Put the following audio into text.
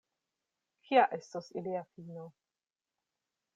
Kia estos ilia fino?